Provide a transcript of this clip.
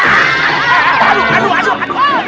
tidak tidak tidak tidak